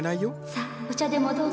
さあお茶でもどうぞ。